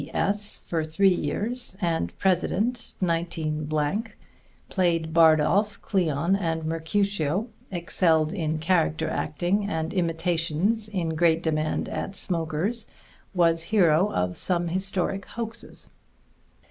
D.S. for three years and president 19 played Bardolph Cleon and Mercutio excelled in character acting and imitations in great demand at smokers was hero of some historic hoaxes.